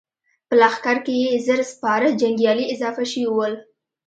په لښکر کې يې زر سپاره جنګيالي اضافه شوي ول.